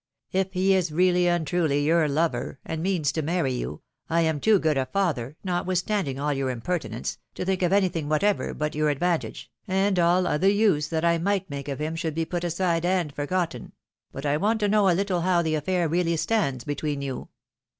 If lie is really and truly your lover, and means to marry you, I am too good a father, notwithstanding all your impertinence, to think of anything whatever but your advan tage, and all other use that I might make of him should he put aside and forgotten ; but I want to know a little how the affair reaUy stands between you.